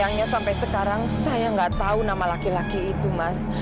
sayangnya sampai sekarang saya nggak tahu nama laki laki itu mas